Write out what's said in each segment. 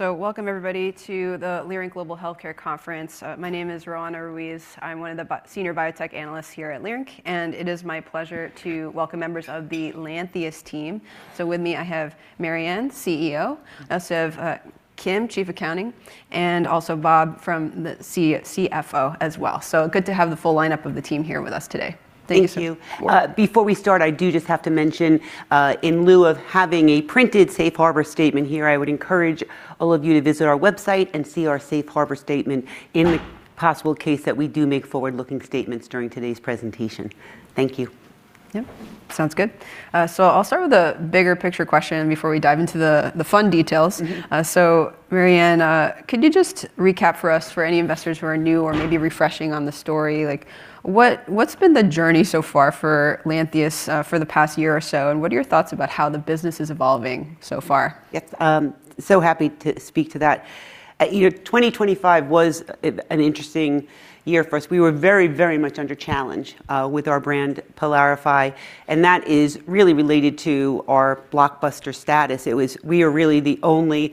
Welcome everybody to the Leerink Global Healthcare Conference. My name is Roanna Ruiz. I'm one of the Senior Biotech Analysts here at Leerink, and it is my pleasure to welcome members of the Lantheus team. With me, I have Mary Anne, CEO, also have Kim, Chief Accounting, and also Bob, CFO as well. Good to have the full lineup of the team here with us today. Thank you. Yes. Before we start, I do just have to mention, in lieu of having a printed safe harbor statement here, I would encourage all of you to visit our website and see our safe harbor statement in the possible case that we do make forward-looking statements during today's presentation. Thank you. Yep. Sounds good. I'll start with a bigger picture question before we dive into the fun details. Mm-hmm. Mary Anne, could you just recap for us for any investors who are new or maybe refreshing on the story, like what's been the journey so far for Lantheus, for the past year or so, and what are your thoughts about how the business is evolving so far? Yes. Happy to speak to that. You know, 2025 was an interesting year for us. We were very much under challenge with our brand PYLARIFY, and that is really related to our blockbuster status. We are really the only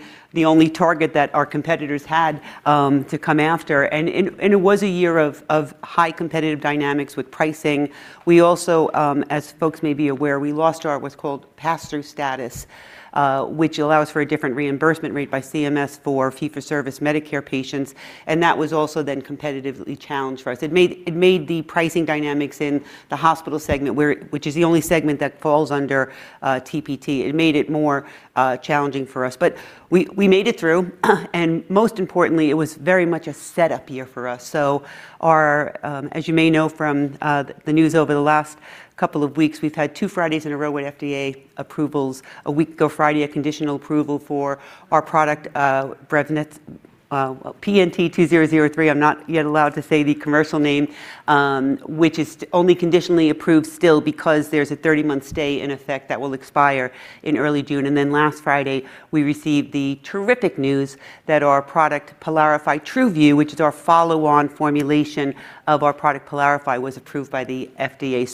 target that our competitors had to come after. It was a year of high competitive dynamics with pricing. We also, as folks may be aware, we lost our what's called pass-through status, which allows for a different reimbursement rate by CMS for fee-for-service Medicare patients, and that was also then competitively challenged for us. It made the pricing dynamics in the hospital segment, which is the only segment that falls under TPT. It made it more challenging for us. We made it through and most importantly, it was very much a setup year for us. As you may know from the news over the last couple of weeks, we've had two Fridays in a row with FDA approvals. A week ago Friday, a conditional approval for our product for NET, PNT2003. I'm not yet allowed to say the commercial name, which is only conditionally approved still because there's a 30-month stay in effect that will expire in early June. Last Friday, we received the terrific news that our product, PYLARIFY TruVu, which is our follow-on formulation of our product PYLARIFY, was approved by the FDA.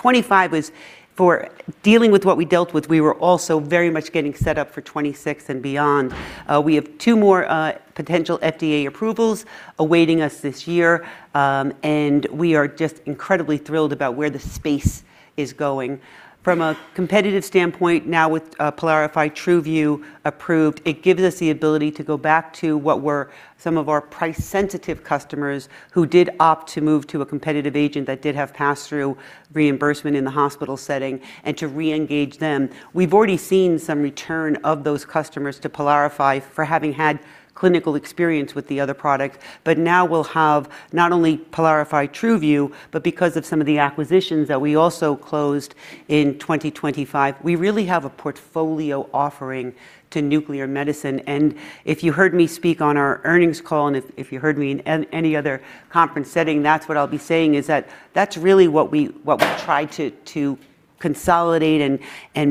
2025 was for dealing with what we dealt with. We were also very much getting set up for 2026 and beyond. We have two more potential FDA approvals awaiting us this year, and we are just incredibly thrilled about where the space is going. From a competitive standpoint now with PYLARIFY TruVu approved, it gives us the ability to go back to what were some of our price-sensitive customers who did opt to move to a competitive agent that did have pass-through reimbursement in the hospital setting and to re-engage them. We've already seen some return of those customers to PYLARIFY for having had clinical experience with the other product. Now we'll have not only PYLARIFY TruVu, but because of some of the acquisitions that we also closed in 2025, we really have a portfolio offering to nuclear medicine. If you heard me speak on our earnings call and if you heard me in any other conference setting, that's what I'll be saying, is that that's really what we tried to consolidate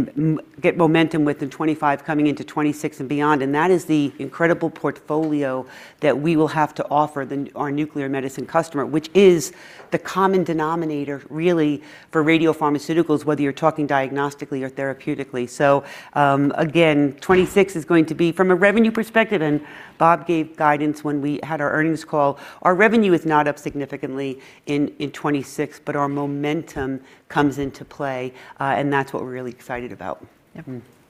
and get momentum with in 2025 coming into 2026 and beyond. That is the incredible portfolio that we will have to offer our nuclear medicine customer, which is the common denominator really for radiopharmaceuticals, whether you're talking diagnostically or therapeutically. Again, 2026 is going to be from a revenue perspective, and Bob gave guidance when we had our earnings call. Our revenue is not up significantly in 2026, but our momentum comes into play, and that's what we're really excited about. Yep.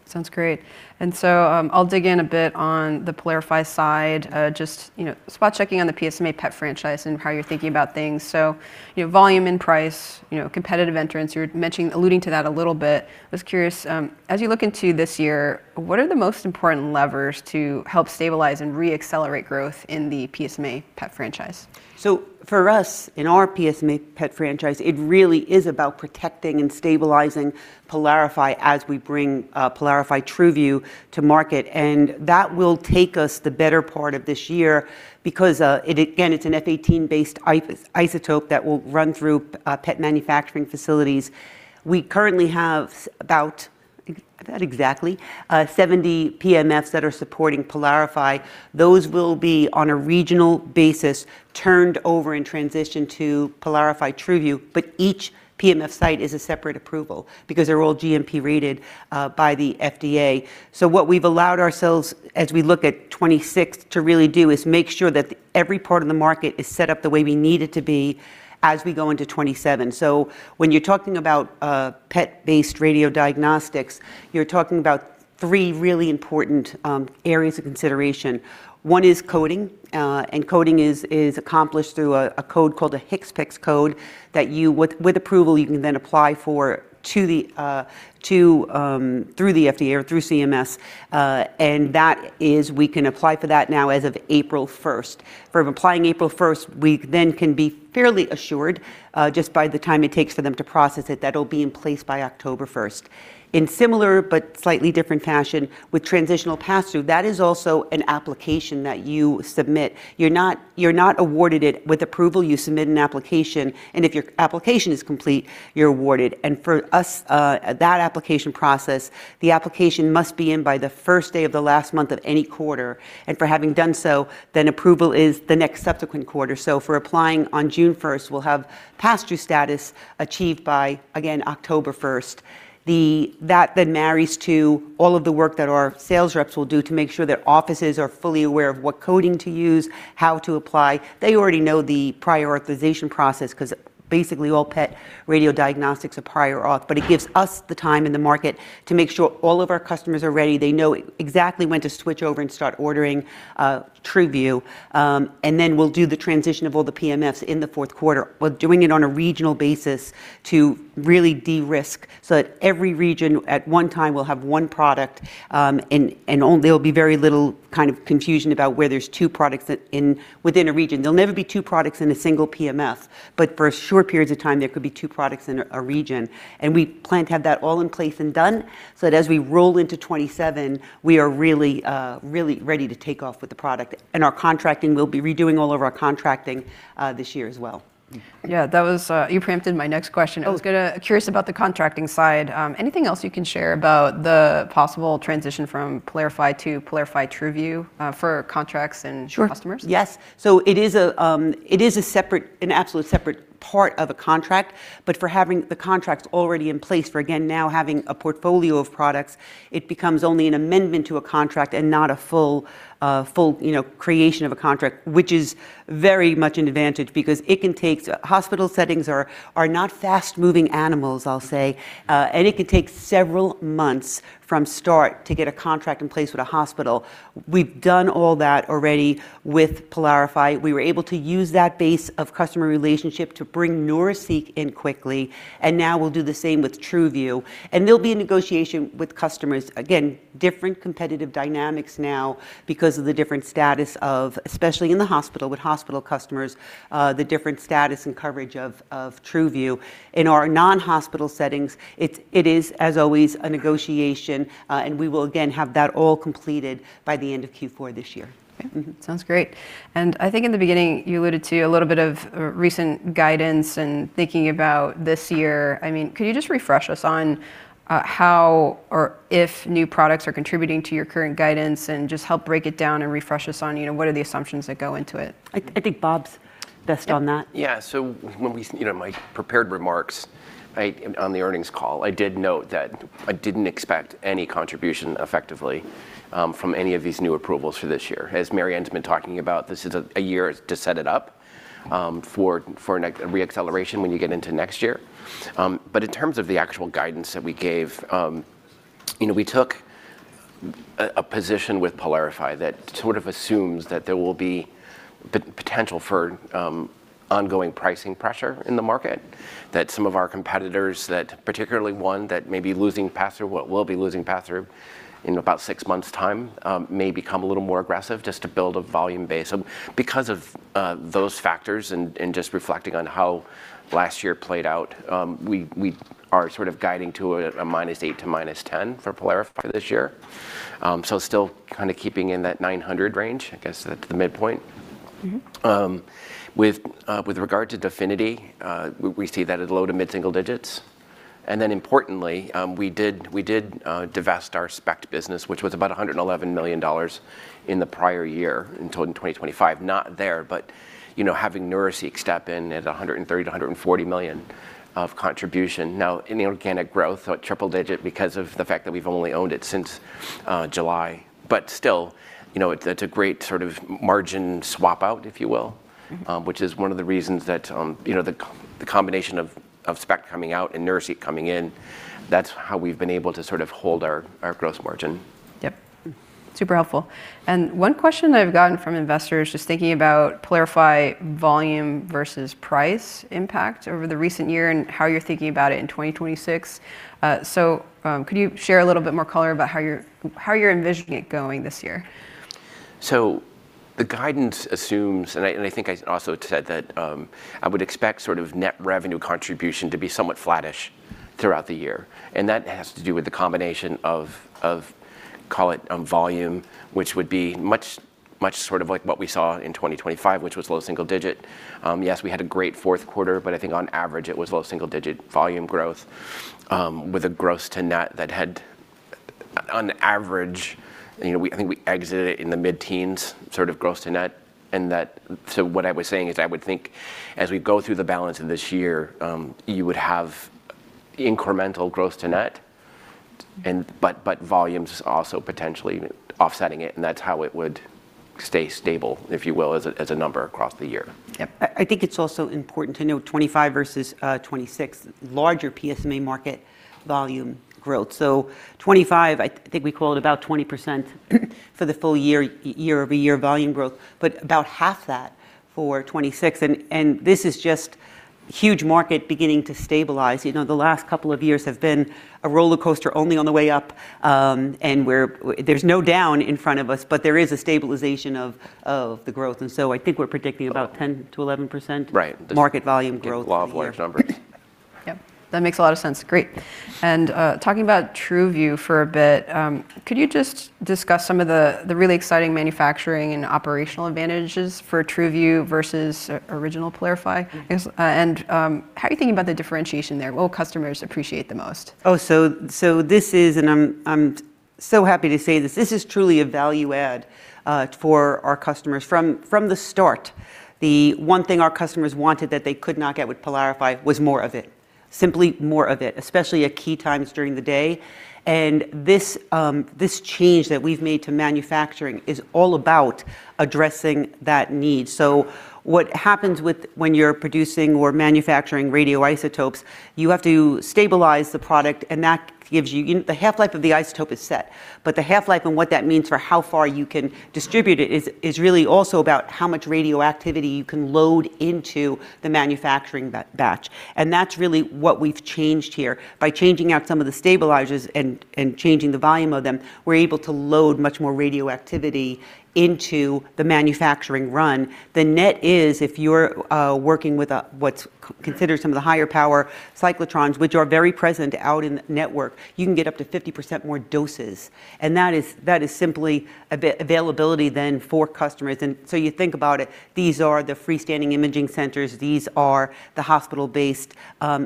Sounds great. I'll dig in a bit on the PYLARIFY side, just, you know, spot-checking on the PSMA PET franchise and how you're thinking about things. You know, volume and price, you know, competitive entrants, you're mentioning, alluding to that a little bit. I was curious, as you look into this year, what are the most important levers to help stabilize and re-accelerate growth in the PSMA PET franchise? For us, in our PSMA PET franchise, it really is about protecting and stabilizing PYLARIFY as we bring PYLARIFY TruVu to market. That will take us the better part of this year because again, it's an F-18 based isotope that will run through PET manufacturing facilities. We currently have about, I think about exactly 70 PMFs that are supporting PYLARIFY. Those will be on a regional basis, turned over in transition to PYLARIFY TruVu, but each PMF site is a separate approval because they're all GMP rated by the FDA. What we've allowed ourselves as we look at 2026 to really do is make sure that every part of the market is set up the way we need it to be as we go into 2027. When you're talking about PET-based radiodiagnostics, you're talking about three really important areas of consideration. One is coding, and coding is accomplished through a code called a HCPCS code that, with approval, you can then apply for through the FDA or through CMS, and that is we can apply for that now as of April 1st. For applying April 1st, we then can be fairly assured, just by the time it takes for them to process it, that'll be in place by October 1st. In similar but slightly different fashion with transitional pass-through, that is also an application that you submit. You're not awarded it. With approval, you submit an application, and if your application is complete, you're awarded. For us, that application process, the application must be in by the first day of the last month of any quarter. For having done so, then approval is the next subsequent quarter. For applying on June 1st, we'll have pass-through status achieved by, again, October 1st. That then marries to all of the work that our sales reps will do to make sure that offices are fully aware of what coding to use, how to apply. They already know the prioritization process because basically all PET radiodiagnostics are prior auth. It gives us the time in the market to make sure all of our customers are ready. They know exactly when to switch over and start ordering TruVu, and then we'll do the transition of all the PMFs in the fourth quarter. We're doing it on a regional basis to really de-risk so that every region at one time will have one product, and there'll be very little confusion about where there are two products within a region. There'll never be two products in a single PMF. For short periods of time, there could be two products in a region. We plan to have that all in place and done, so that as we roll into 2027, we are really ready to take off with the product. Our contracting, we'll be redoing all of our contracting this year as well. Yeah. That was. You preempted my next question. Oh. Curious about the contracting side. Anything else you can share about the possible transition from PYLARIFY to PYLARIFY TruVu, for contracts and- Sure customers? Yes. It is a separate, an absolutely separate part of a contract. For having the contracts already in place for, again, now having a portfolio of products, it becomes only an amendment to a contract and not a full, you know, creation of a contract, which is very much an advantage because it can take. Hospital settings are not fast-moving animals, I'll say. It can take several months from start to get a contract in place with a hospital. We've done all that already with PYLARIFY. We were able to use that base of customer relationship to bring Neuraceq in quickly, and now we'll do the same with TruVu. There'll be a negotiation with customers. Again, different competitive dynamics now because of the different status of, especially in the hospital, with hospital customers, the different status and coverage of TruVu. In our non-hospital settings, it is, as always, a negotiation. We will, again, have that all completed by the end of Q4 this year. Okay. Mm-hmm. Sounds great. I think in the beginning, you alluded to a little bit of recent guidance and thinking about this year. I mean, could you just refresh us on how or if new products are contributing to your current guidance and just help break it down and refresh us on, you know, what are the assumptions that go into it? I think Bob's best on that. Yeah. You know, my prepared remarks on the earnings call, I did note that I didn't expect any contribution effectively from any of these new approvals for this year. As Mary Anne's been talking about, this is a year to set it up for a re-acceleration when you get into next year. In terms of the actual guidance that we gave, you know, we took a position with PYLARIFY that sort of assumes that there will be the potential for ongoing pricing pressure in the market, that some of our competitors that, particularly one that may be losing pass-through, or will be losing pass-through in about six months' time, may become a little more aggressive just to build a volume base. Because of those factors and just reflecting on how last year played out, we are sort of guiding to a -8% to -10% for PYLARIFY this year. Still kinda keeping in that $900 million range. I guess that's the midpoint. Mm-hmm. With regard to DEFINITY, we see that at low- to mid-single-digit %. Importantly, we did divest our SPECT business, which was about $111 million in the prior year until in 2025. Not there, but you know, having Neuraceq step in at $130 million-$140 million of contribution. Inorganic growth at triple-digit % because of the fact that we've only owned it since July. Still, you know, it's that's a great sort of margin swap out, if you will. Mm-hmm. Which is one of the reasons that, you know, the combination of SPECT coming out and Neuraceq coming in, that's how we've been able to sort of hold our gross margin. Yep. Super helpful. One question that I've gotten from investors just thinking about PYLARIFY volume versus price impact over the recent year and how you're thinking about it in 2026. Could you share a little bit more color about how you're envisioning it going this year? The guidance assumes, I think I also said that, I would expect sort of net revenue contribution to be somewhat flattish throughout the year, and that has to do with the combination of, call it, volume, which would be much sort of like what we saw in 2025, which was low single-digit. Yes, we had a great fourth quarter, but I think on average, it was low single-digit volume growth, with a gross-to-net that had on average, you know, I think we exited it in the mid-teens sort of gross-to-net. What I was saying is I would think as we go through the balance of this year, you would have incremental gross-to-net, and but volumes also potentially offsetting it, and that's how it would stay stable, if you will, as a number across the year. Yes. I think it's also important to note 2025 versus 2026, larger PSMA market volume growth. 2025, I think we called about 20% for the full year-over-year volume growth, but about half that for 2026. This is just huge market beginning to stabilize. You know, the last couple of years have been a roller coaster only on the way up. There's no down in front of us, but there is a stabilization of the growth. I think we're predicting about 10%-11%. Right market volume growth for the year. Blockbuster numbers. Yep. That makes a lot of sense. Great. Talking about TruVu for a bit, could you just discuss some of the really exciting manufacturing and operational advantages for TruVu versus original PYLARIFY? Mm-hmm. How are you thinking about the differentiation there? What will customers appreciate the most? This is truly a value add for our customers. From the start, the one thing our customers wanted that they could not get with PYLARIFY was more of it, simply more of it, especially at key times during the day. This change that we've made to manufacturing is all about addressing that need. What happens when you're producing or manufacturing radioisotopes, you have to stabilize the product, and that gives you you know, the half-life of the isotope is set, but the half-life and what that means for how far you can distribute it is really also about how much radioactivity you can load into the manufacturing batch. That's really what we've changed here. By changing out some of the stabilizers and changing the volume of them, we're able to load much more radioactivity into the manufacturing run. The net is, if you're working with what's considered some of the higher power cyclotrons, which are very present out in network, you can get up to 50% more doses. That is simply availability then for customers. You think about it, these are the freestanding imaging centers. These are the hospital-based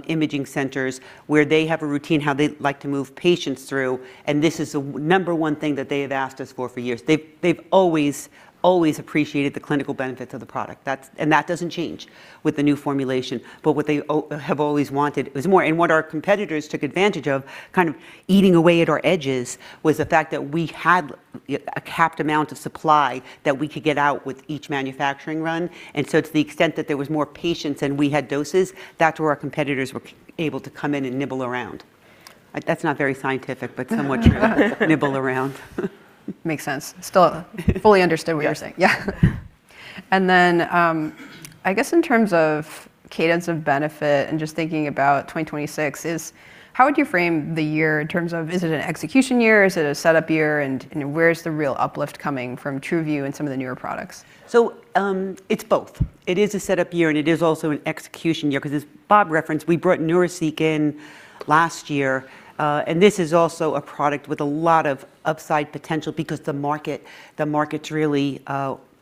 imaging centers where they have a routine, how they like to move patients through, and this is the number one thing that they have asked us for years. They've always appreciated the clinical benefits of the product. That's, and that doesn't change with the new formulation. But what they have always wanted was more. What our competitors took advantage of, kind of eating away at our edges, was the fact that we had a capped amount of supply that we could get out with each manufacturing run. To the extent that there was more patients than we had doses, that's where our competitors were able to come in and nibble around. That's not very scientific, but somewhat true. Nibble around. Makes sense. Still fully understood what you're saying. Yeah. I guess in terms of cadence of benefit and just thinking about 2026 is how would you frame the year in terms of is it an execution year? Is it a setup year? You know, where's the real uplift coming from TruVu and some of the newer products? It's both. It is a setup year, and it is also an execution year because as Bob referenced, we brought Neuraceq in last year. This is also a product with a lot of upside potential because the market's really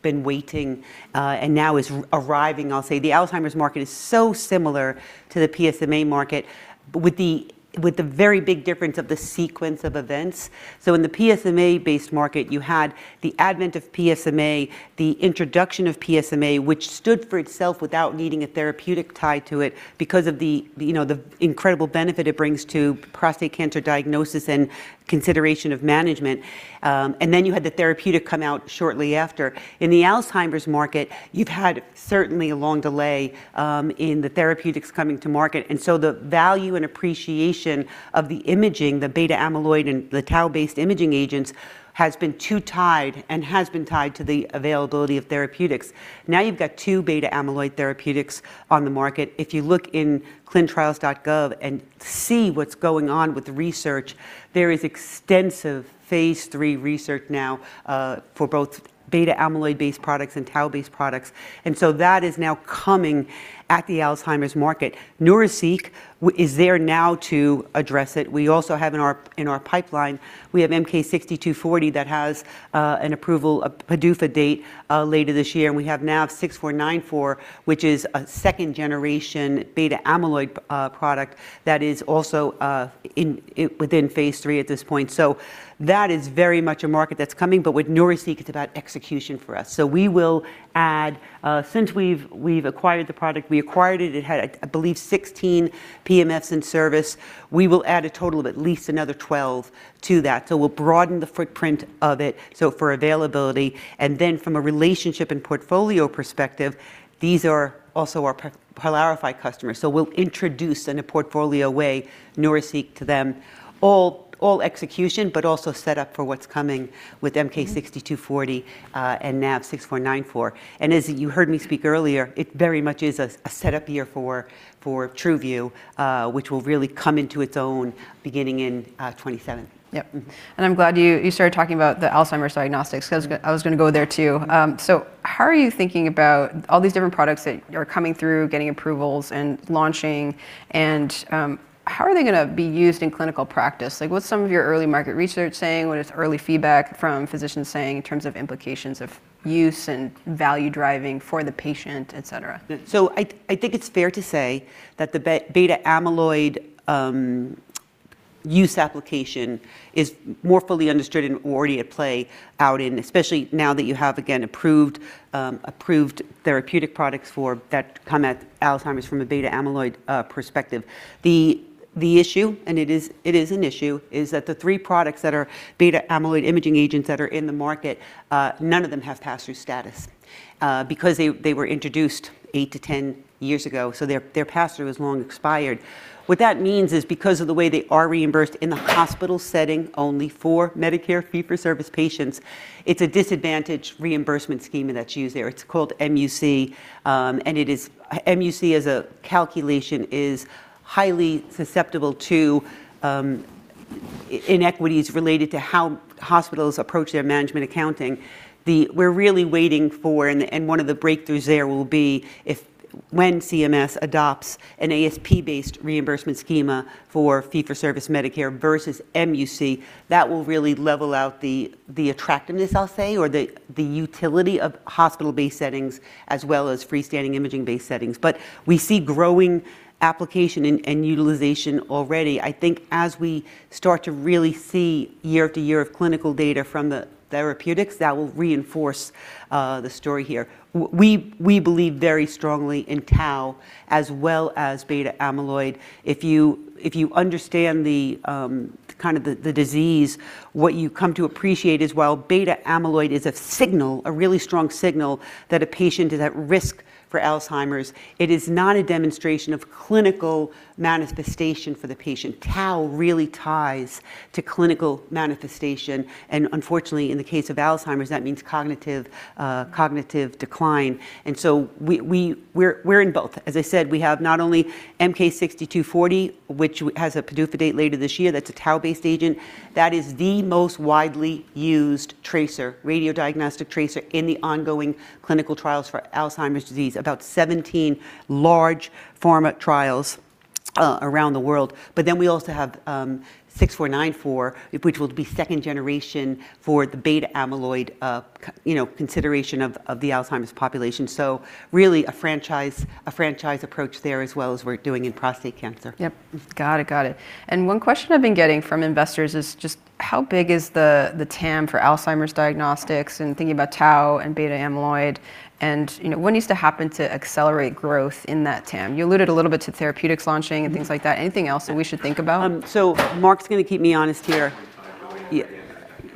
been waiting, and now is arriving, I'll say. The Alzheimer's market is so similar to the PSMA market with the very big difference of the sequence of events. In the PSMA-based market, you had the advent of PSMA, the introduction of PSMA, which stood for itself without needing a therapeutic tie to it because of the, you know, the incredible benefit it brings to prostate cancer diagnosis and consideration of management. Then you had the therapeutic come out shortly after. In the Alzheimer's market, you've had certainly a long delay in the therapeutics coming to market. The value and appreciation of the imaging, the beta-amyloid and the tau-based imaging agents, has been tied to the availability of therapeutics. Now, you've got two beta-amyloid therapeutics on the market. If you look in ClinicalTrials.gov and see what's going on with research, there is extensive phase III research now for both beta-amyloid-based products and tau-based products. That is now coming at the Alzheimer's market. Neuraceq is there now to address it. We also have in our pipeline, we have MK-6240 that has an approval, a PDUFA date later this year. We have NAV-4694, which is a second-generation beta-amyloid product that is also within phase III at this point. That is very much a market that's coming. With Neuraceq, it's about execution for us. We will add, since we've acquired the product, we acquired it. It had, I believe, 16 PMFs in service. We will add a total of at least another 12 to that. We'll broaden the footprint of it, so for availability. Then from a relationship and portfolio perspective, these are also our PYLARIFY customers. We'll introduce in a portfolio way Neuraceq to them, all execution, but also set up for what's coming with MK-6240 and NAV-4694. As you heard me speak earlier, it very much is a set-up year for TruVu, which will really come into its own beginning in 2027. Yep. I'm glad you started talking about the Alzheimer's diagnostics because I was gonna go there too. How are you thinking about all these different products that are coming through, getting approvals and launching, and how are they gonna be used in clinical practice? Like, what's some of your early market research saying? What is early feedback from physicians saying in terms of implications of use and value driving for the patient, et cetera? I think it's fair to say that the beta-amyloid use application is more fully understood and already at play out in, especially now that you have again approved therapeutic products that combat Alzheimer's from a beta-amyloid perspective. The issue, and it is an issue, is that the three products that are beta-amyloid imaging agents that are in the market, none of them have pass-through status, because they were introduced eight to 10 years ago, so their pass-through is long expired. What that means is because of the way they are reimbursed in the hospital setting only for Medicare fee-for-service patients, it's a disadvantaged reimbursement scheme that's used there. It's called MUC, and MUC as a calculation is highly susceptible to inequities related to how hospitals approach their management accounting. We're really waiting for, one of the breakthroughs there will be when CMS adopts an ASP-based reimbursement schema for fee-for-service Medicare versus MUC, that will really level out the attractiveness, I'll say, or the utility of hospital-based settings as well as freestanding imaging-based settings. We see growing application and utilization already. I think as we start to really see year to year of clinical data from the therapeutics, that will reinforce the story here. We believe very strongly in tau as well as beta-amyloid. If you understand the kind of disease, what you come to appreciate is while beta-amyloid is a signal, a really strong signal that a patient is at risk for Alzheimer's, it is not a demonstration of clinical manifestation for the patient. Tau really ties to clinical manifestation, and unfortunately, in the case of Alzheimer's, that means cognitive decline. We're in both. As I said, we have not only MK-6240, which has a PDUFA date later this year. That's a tau-based agent. That is the most widely used tracer, radiodiagnostic tracer in the ongoing clinical trials for Alzheimer's disease, about 17 large pharma trials around the world. We also have NAV-4694, which will be second generation for the beta-amyloid, you know, consideration of the Alzheimer's population. Really a franchise approach there as well as we're doing in prostate cancer. Yep. Got it. Got it. One question I've been getting from investors is just how big is the TAM for Alzheimer's diagnostics and thinking about tau and beta-amyloid and, you know, what needs to happen to accelerate growth in that TAM? You alluded a little bit to therapeutics launching and things like that. Anything else that we should think about? Mark's gonna keep me honest here. $1.5 billion.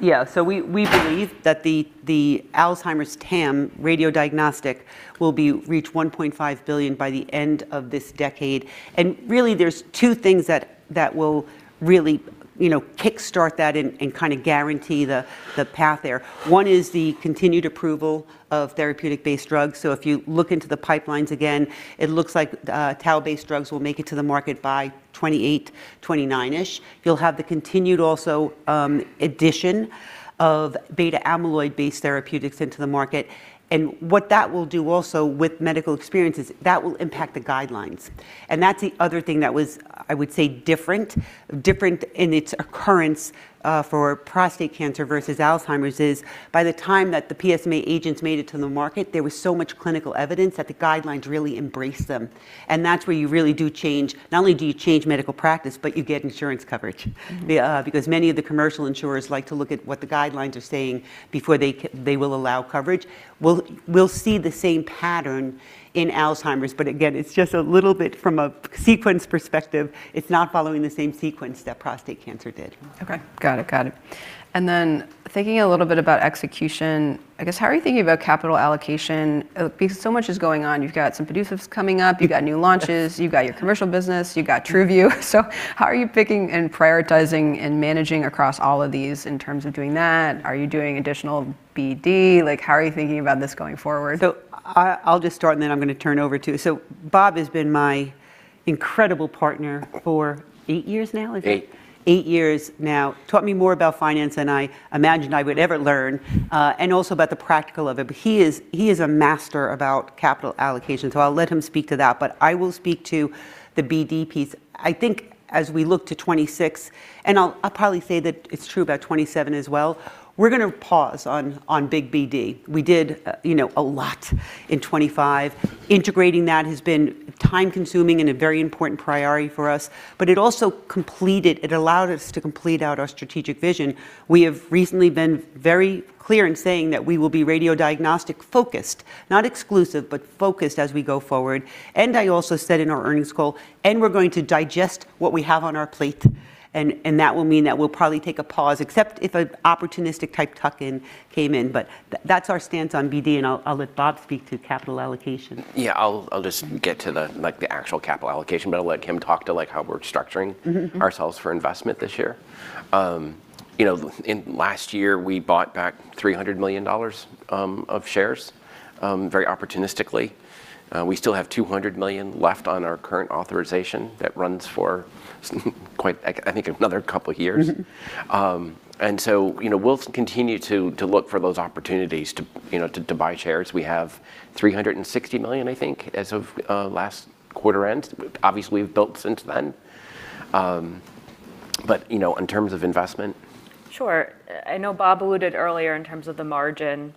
Yeah. We believe that the Alzheimer's TAM radiodiagnostic will be reached $1.5 billion by the end of this decade, and really there's two things that will really, you know, kickstart that and kinda guarantee the path there. One is the continued approval of therapeutic-based drugs. If you look into the pipelines again, it looks like tau-based drugs will make it to the market by 2028, 2029-ish. You'll have the continued also addition of beta-amyloid-based therapeutics into the market, and what that will do also with medical experience is that will impact the guidelines, and that's the other thing that was, I would say different in its occurrence, for prostate cancer versus Alzheimer's. By the time that the PSMA agents made it to the market, there was so much clinical evidence that the guidelines really embrace them, and that's where you really do change, not only do you change medical practice, but you get insurance coverage. Mm-hmm Because many of the commercial insurers like to look at what the guidelines are saying before they will allow coverage. We'll see the same pattern in Alzheimer's, but again, it's just a little bit from a sequence perspective. It's not following the same sequence that prostate cancer did. Okay. Got it. Thinking a little bit about execution, I guess, how are you thinking about capital allocation? Because so much is going on. You've got some PDUFAs coming up. You've got new launches. You've got your commercial business. You've got TruVu. How are you picking and prioritizing and managing across all of these in terms of doing that? Are you doing additional BD? Like, how are you thinking about this going forward? I'll just start, and then I'm gonna turn over to Bob. Bob has been my incredible partner for eight years now, is it? Eight. Eight years now. Taught me more about finance than I imagined I would ever learn, and also about the practicalities of it, but he is a master about capital allocation, so I'll let him speak to that. I will speak to the BD piece. I think as we look to 2026, and I'll probably say that it's true about 2027 as well, we're gonna pause on big BD. We did, you know, a lot in 2025. Integrating that has been time-consuming and a very important priority for us, but it also allowed us to complete our strategic vision. We have recently been very clear in saying that we will be radiodiagnostic-focused, not exclusive, but focused as we go forward. I also said in our earnings call, "And we're going to digest what we have on our plate," and that will mean that we'll probably take a pause, except if an opportunistic type tuck-in came in. That's our stance on BD, and I'll let Bob speak to capital allocation. Yeah, I'll just get to, like, the actual capital allocation, but I'll let Kim talk to, like, how we're structuring. Mm-hmm Ourselves for investment this year. You know, in last year, we bought back $300 million of shares, very opportunistically. We still have $200 million left on our current authorization that runs for quite, I think another couple years. Mm-hmm. You know, we'll continue to look for those opportunities to you know to buy shares. We have 360 million, I think, as of last quarter end. Obviously, we've bought since then. You know, in terms of investment. Sure. I know Bob alluded earlier in terms of the margin.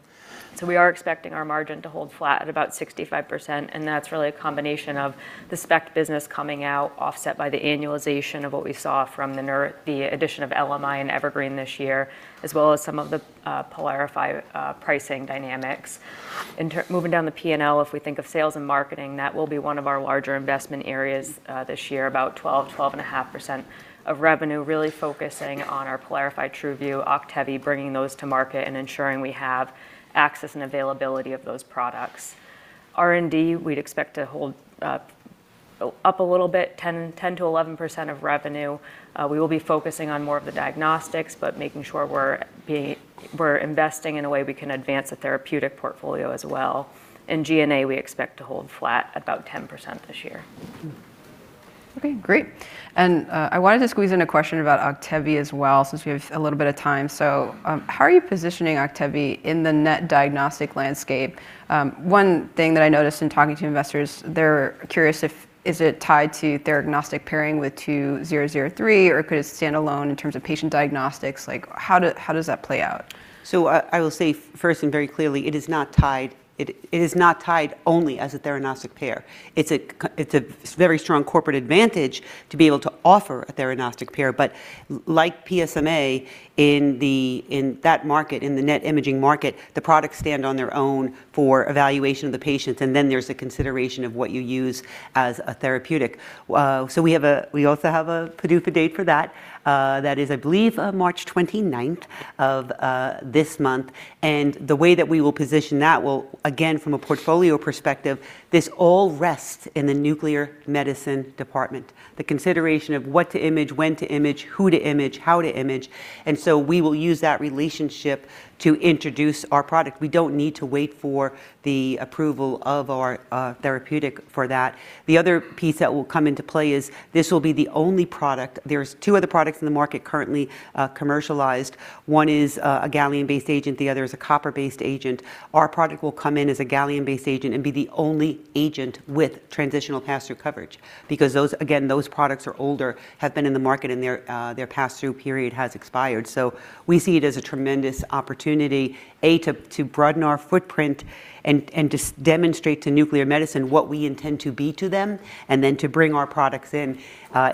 We are expecting our margin to hold flat at about 65%, and that's really a combination of the spec business coming out, offset by the annualization of what we saw from the addition of LMI and Evergreen this year, as well as some of the PYLARIFY pricing dynamics. Moving down the P&L, if we think of sales and marketing, that will be one of our larger investment areas this year, about 12%, 12.5% of revenue, really focusing on our PYLARIFY, TruVu, OCTEVY, bringing those to market and ensuring we have access and availability of those products. R&D, we'd expect to hold up a little bit, 10%-11% of revenue. We will be focusing on more of the diagnostics, but making sure we're investing in a way we can advance the therapeutic portfolio as well. In G&A, we expect to hold flat about 10% this year. Okay, great. I wanted to squeeze in a question about OCTEVY as well, since we have a little bit of time. How are you positioning OCTEVY in the NET diagnostic landscape? One thing that I noticed in talking to investors, they're curious if is it tied to theranostic pairing with PNT2003, or could it stand alone in terms of patient diagnostics? Like, how does that play out? I will say first and very clearly, it is not tied only as a theranostic pair. It's a very strong corporate advantage to be able to offer a theranostic pair. Like PSMA in that market, in the NET imaging market, the products stand on their own for evaluation of the patients, and then there's a consideration of what you use as a therapeutic. We also have a PDUFA date for that that is, I believe, March 29th of this month. The way that we will position that will, again, from a portfolio perspective, this all rests in the nuclear medicine department. The consideration of what to image, when to image, who to image, how to image, and so we will use that relationship to introduce our product. We don't need to wait for the approval of our therapeutic for that. The other piece that will come into play is this will be the only product. There's two other products in the market currently, commercialized. One is a gallium-based agent, the other is a copper-based agent. Our product will come in as a gallium-based agent and be the only agent with transitional pass-through coverage, because those, again, those products are older, have been in the market and their pass-through period has expired. We see it as a tremendous opportunity to broaden our footprint and to demonstrate to nuclear medicine what we intend to be to them, and then to bring our products in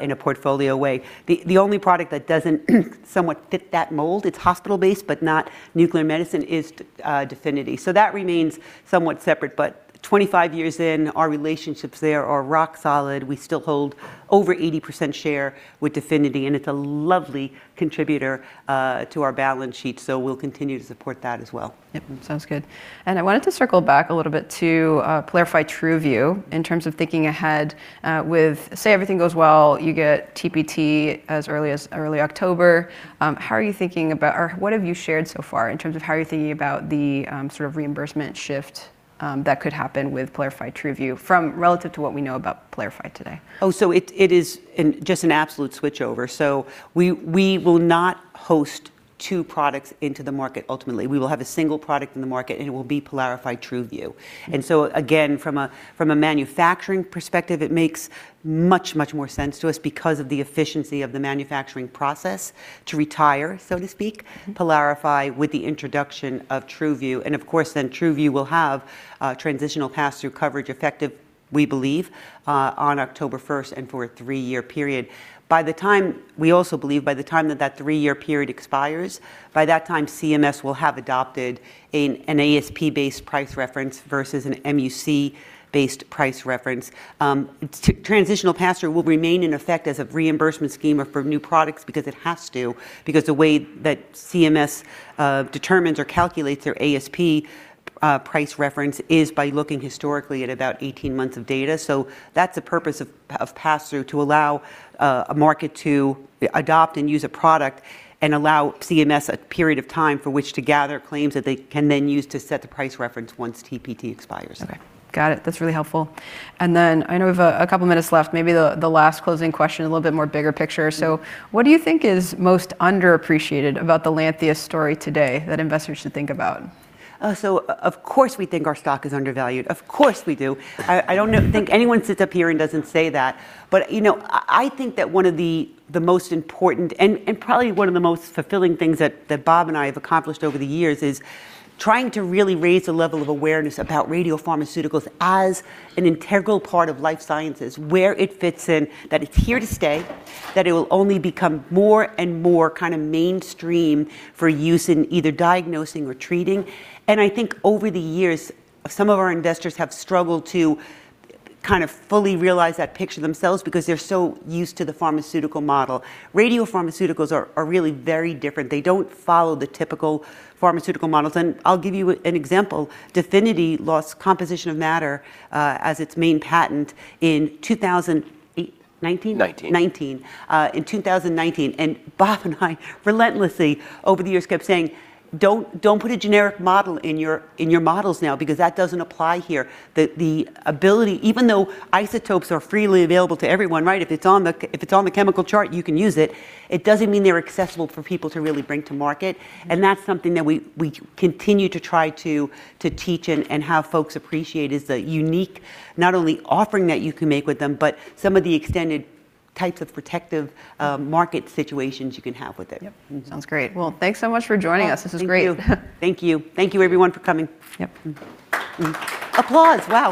in a portfolio way. The only product that doesn't somewhat fit that mold, it's hospital-based, but not nuclear medicine, is DEFINITY. That remains somewhat separate, but 25 years in, our relationships there are rock solid. We still hold over 80% share with DEFINITY, and it's a lovely contributor to our balance sheet, so we'll continue to support that as well. Yep, sounds good. I wanted to circle back a little bit to PYLARIFY TruVu in terms of thinking ahead with, say everything goes well, you get TPT as early as October. How are you thinking about or what have you shared so far in terms of how you're thinking about the sort of reimbursement shift that could happen with PYLARIFY TruVu relative to what we know about PYLARIFY today? It is just an absolute switchover. We will not host two products into the market ultimately. We will have a single product in the market, and it will be PYLARIFY TruVu. From a manufacturing perspective, it makes much more sense to us because of the efficiency of the manufacturing process to retire, so to speak, PYLARIFY with the introduction of TruVu. Of course TruVu will have transitional pass-through coverage effective, we believe, on October 1st and for a three-year period. We also believe by the time that three-year period expires, by that time CMS will have adopted an ASP-based price reference versus an MUC-based price reference. Transitional pass-through will remain in effect as a reimbursement scheme or for new products because it has to, because the way that CMS determines or calculates their ASP price reference is by looking historically at about 18 months of data. That's the purpose of pass-through, to allow a market to adopt and use a product and allow CMS a period of time for which to gather claims that they can then use to set the price reference once TPT expires. Okay. Got it. That's really helpful. I know we have a couple minutes left, maybe the last closing question, a little bit more bigger picture. What do you think is most underappreciated about the Lantheus story today that investors should think about? Of course, we think our stock is undervalued. Of course we do. I don't think anyone sits up here and doesn't say that. You know, I think that one of the most important and probably one of the most fulfilling things that Bob and I have accomplished over the years is trying to really raise the level of awareness about radiopharmaceuticals as an integral part of life sciences, where it fits in, that it's here to stay, that it will only become more and more kind of mainstream for use in either diagnosing or treating. I think over the years, some of our investors have struggled to kind of fully realize that picture themselves because they're so used to the pharmaceutical model. Radiopharmaceuticals are really very different. They don't follow the typical pharmaceutical models, and I'll give you an example. DEFINITY lost composition of matter as its main patent in 2019, and Bob and I relentlessly over the years kept saying, "Don't put a generic model in your models now, because that doesn't apply here." The ability, even though isotopes are freely available to everyone, right? If it's on the chemical chart, you can use it. It doesn't mean they're accessible for people to really bring to market. That's something that we continue to try to teach and have folks appreciate is the unique not only offering that you can make with them, but some of the extended types of protective market situations you can have with it. Yep. Sounds great. Well, thanks so much for joining us. Oh, thank you. This was great. Thank you. Thank you everyone for coming. Yep. Applause, wow.